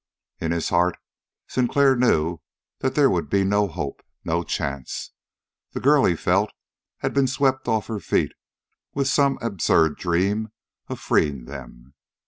In his heart Sinclair knew that there would be no hope, no chance. The girl, he felt, had been swept off her feet with some absurd dream of freeing them.